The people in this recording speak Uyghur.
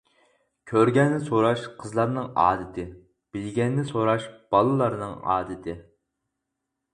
كۆرگەننى سوراش قىزلارنىڭ ئادىتى، بىلگەننى سوراش بالىلارنىڭ ئادىتى.